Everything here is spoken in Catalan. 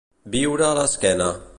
Viure a l'esquena.